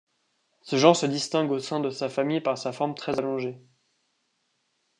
Ce genre se distingue au sein de sa famille par sa forme très allongée.